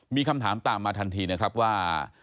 มีคำถามตามมาทันทีนะครับว่า